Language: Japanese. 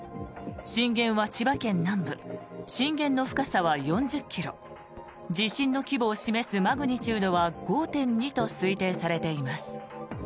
震源は千葉県南部震源の深さは４０ｋｍ地震の規模を示すマグニチュードは５．２と推定されています。